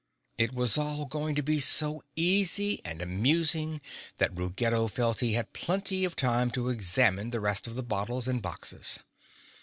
It was all going to be so easy and amusing that Ruggedo felt he had plenty of time to examine the rest of the bottles and boxes.